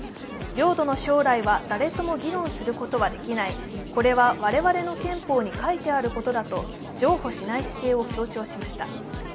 領土の将来は誰とも議論することはできない、これは我々の憲法に書いてあることだと、譲歩しない姿勢を強調しました。